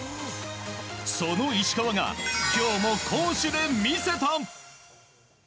その石川が今日も攻守で見せた！